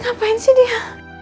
ngapain sih dia